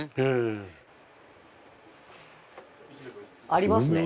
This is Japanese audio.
ありますね。